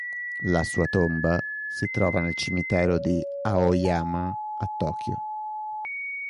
La sua tomba si trova nel Cimitero di Aoyama a Tokyo.